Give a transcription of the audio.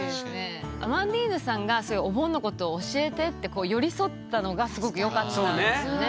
アマンディーヌさんがそういうお盆のこと教えてって寄り添ったのがすごくよかったんですよね